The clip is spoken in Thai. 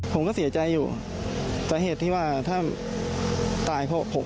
ผมก็เสียใจอยู่สาเหตุที่ว่าถ้าตายเพราะผม